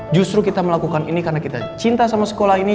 justru kita melakukan ini karena kita cinta sama sekolah ini